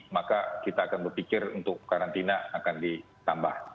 maka kita akan berpikir untuk karantina akan ditambah